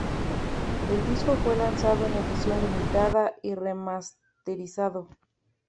El disco fue lanzado en edición limitada y remasterizado.